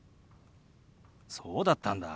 そうだったんだ。